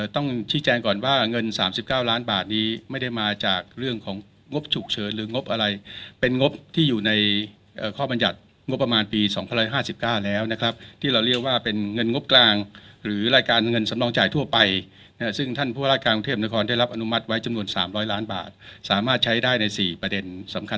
ต้องชี้แจงก่อนว่าเงิน๓๙ล้านบาทนี้ไม่ได้มาจากเรื่องของงบฉุกเฉินหรืองบอะไรเป็นงบที่อยู่ในข้อบรรยัติงบประมาณปี๒๕๕๙แล้วนะครับที่เราเรียกว่าเป็นเงินงบกลางหรือรายการเงินสำรองจ่ายทั่วไปซึ่งท่านผู้ว่าราชการกรุงเทพนครได้รับอนุมัติไว้จำนวน๓๐๐ล้านบาทสามารถใช้ได้ใน๔ประเด็นสำคัญ